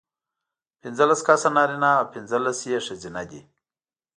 پینځلس کسه نارینه او پینځلس یې ښځینه دي.